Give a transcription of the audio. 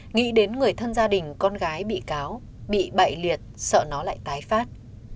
nghĩ đến người thân gia đình con gái bị cáo bị bại liệt sợ nó lại tái phát